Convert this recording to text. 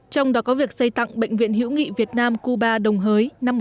trong đó có việc xây tặng bệnh viện hữu nghị việt nam cuba đồng hới năm một nghìn chín trăm bảy mươi